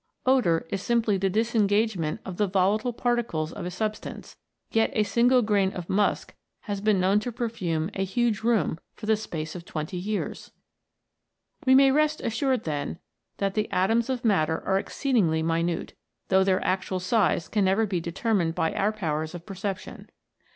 Odour is simply the disengagement of the volatile particles of a substance, yet a single grain of musk has been known to perfume a large room for the space of twenty years ! We may rest assured, then, that the atoms of matter are exceedingly minute, though their actual size can never be determined by our powers of per P2 68 A LITTLE BIT. ception.